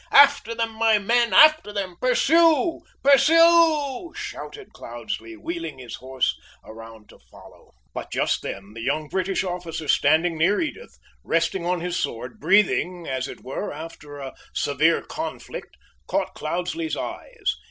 After them, my men! After them! Pursue! pursue!" shouted Cloudesley, wheeling his horse around to follow. But just then, the young British officer standing near Edith, resting on his sword, breathing, as it were, after a severe conflict, caught Cloudesley's eyes.